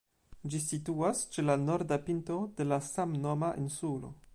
Ĝi situas ĉe la norda pinto de la samnoma insulo.